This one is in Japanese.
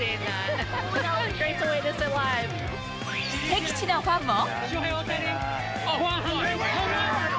敵地のファンも。